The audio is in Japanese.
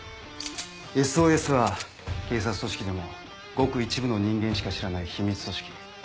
「ＳＯＳ」は警察組織でもごく一部の人間しか知らない秘密組織。